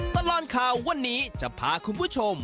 ตลอดข่าววันนี้จะพาคุณผู้ชม